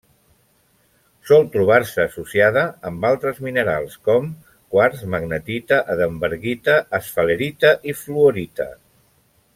Sol trobar-se associada amb altres minerals com: quars, magnetita, hedenbergita, esfalerita i fluorita.